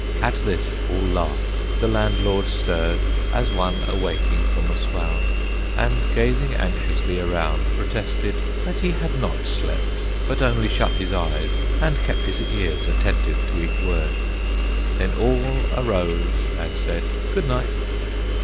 At this all laughed; the Landlord stirred, As one awaking from a swound, And, gazing anxiously around, Protested that he had not slept, But only shut his eyes, and kept His ears attentive to each word. Then all arose, and said "Good Night."